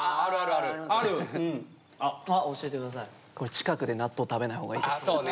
近くで納豆食べないほうがいいです。